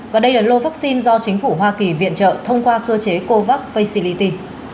và đây là lô vaccine do chính phủ hoa kỳ viện trợ thông qua cơ chế covax facility